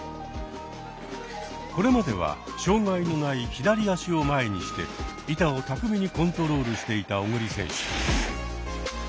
これまでは障害のない左足を前にして板を巧みにコントロールしていた小栗選手。